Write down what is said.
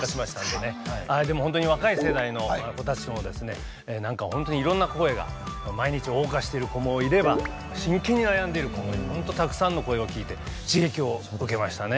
でも本当に若い世代の子たちともなんか本当にいろんな声が毎日をおう歌している子もいれば真剣に悩んでいる子もいる本当、たくさんの声を聴いて刺激を受けましたね。